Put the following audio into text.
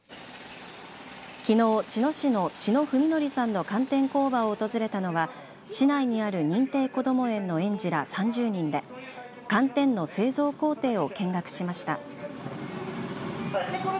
きのう、茅野市の茅野文法さんの寒天工場を訪れたのは市内にある認定こども園の園児ら３０人で寒天の製造工程を見学しました。